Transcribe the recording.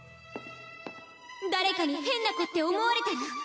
誰かに変な子って思われたら？